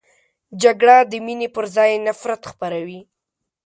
جګړه د مینې پر ځای نفرت خپروي